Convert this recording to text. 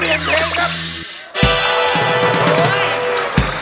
เปลี่ยนเทียวครับ